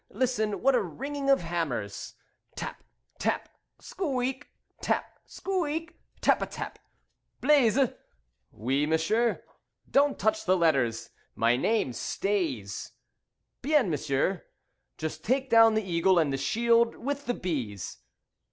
Listen! What a ringing of hammers! Tap! Tap! Squeak! Tap! Squeak! Tap a tap! "Blaise." "Oui, M'sieu." "Don't touch the letters. My name stays." "Bien, M'sieu." "Just take down the eagle, and the shield with the bees."